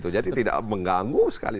jadi tidak mengganggu sekali